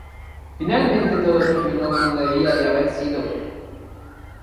Finalmente todo terminó a como debía de haber sido.